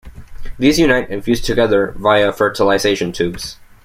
These unite and fuse together via fertilization tubes.